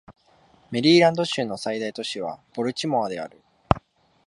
メリーランド州の最大都市はボルチモアである